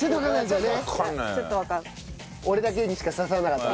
俺だけにしか刺さらなかった。